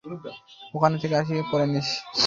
ওখান থেকে আসি, পরে নিস?